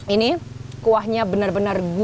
ini kuahnya benar benar gurih